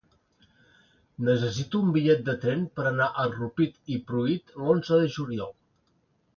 Necessito un bitllet de tren per anar a Rupit i Pruit l'onze de juliol.